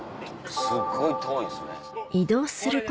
すっごい遠いですね。